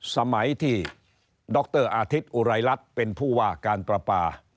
สมัยที่ดรอาทิตย์อุไรรัฐเป็นผู้ว่าการประปา